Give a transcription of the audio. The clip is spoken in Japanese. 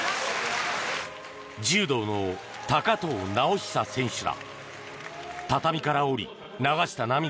柔道の高藤直寿選手だ。